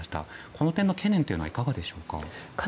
この点の懸念はいかがでしょうか？